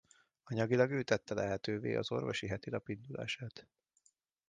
Anyagilag ő tette lehetővé az Orvosi Hetilap indulását.